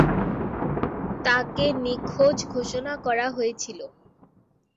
তাকে নিখোঁজ ঘোষণা করা হয়েছিল।